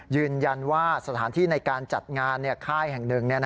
ยืนยันว่าสถานที่ในการจัดงานค่ายแห่งหนึ่ง